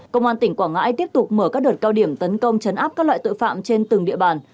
công an tỉnh quảng ngãi tiếp tục mở các đợt cao điểm tấn công chấn áp các loại tội phạm trên từng địa bàn